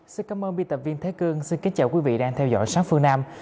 xin cảm ơn biên tập viên thế cương xin kính chào quý vị đang theo dõi sát phương nam